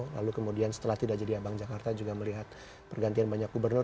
lalu kemudian setelah tidak jadi abang jakarta juga melihat pergantian banyak gubernur